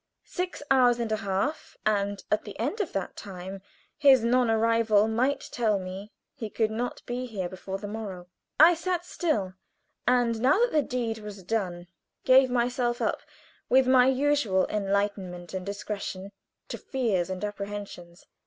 Six hours and a half and at the end of that time his non arrival might tell me he could not be here before the morrow. I sat still, and now that the deed was done, gave myself up, with my usual enlightenment and discretion, to fears and apprehensions.